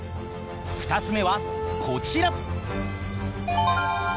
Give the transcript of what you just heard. ２つ目はこちら！